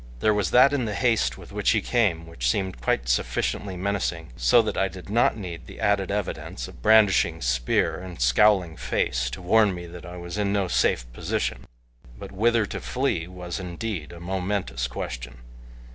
There was that in the haste with which he came which seemed quite sufficiently menacing, so that I did not need the added evidence of brandishing spear and scowling face to warn me that I was in no safe position, but whither to flee was indeed a momentous question.